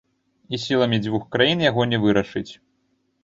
І сіламі дзвюх краін яго не вырашыць.